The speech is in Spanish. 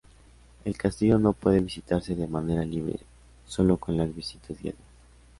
El castillo no puede visitarse de manera libre, solo con las visitas guiadas.